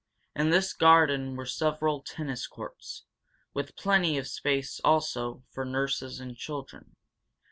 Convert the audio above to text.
In this garden were several tennis courts, with plenty of space, also, for nurses and children.